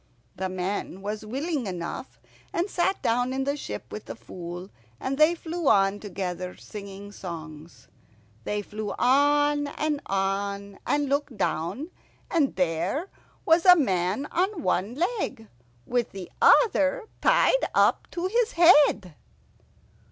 The man was willing enough, and sat down in the ship with the Fool, and they flew on together singing songs. They flew on and on, and looked down, and there was a man on one leg, with the other tied up to his head.